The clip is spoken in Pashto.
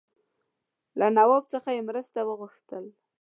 له نواب څخه یې مرسته وغوښتل.